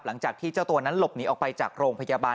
หลังจากที่เจ้าตัวนั้นหลบหนีออกไปจากโรงพยาบาล